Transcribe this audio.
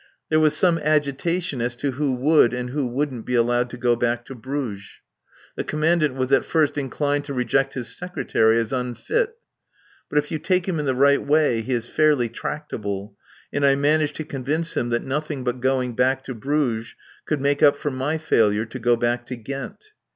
There was some agitation as to who would and who wouldn't be allowed to go back to Bruges. The Commandant was at first inclined to reject his Secretary as unfit. But if you take him the right way he is fairly tractable, and I managed to convince him that nothing but going back to Bruges could make up for my failure to go back to Ghent.